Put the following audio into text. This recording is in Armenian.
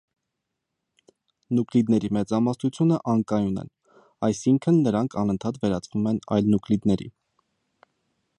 Նուկլիդների մեծամասնությունը անկայուն են, այսինքն՝ նրանք անընդհատ վերածվում են այլ նուկլիդների։